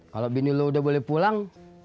kalau bini lo udah boleh pulang